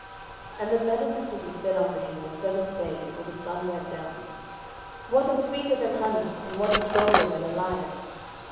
07:014:018 And the men of the city said unto him on the seventh day before the sun went down, What is sweeter than honey? And what is stronger than a lion?